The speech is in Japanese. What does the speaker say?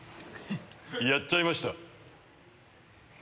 やっちゃいました。